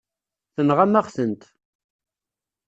Tenɣam-aɣ-tent.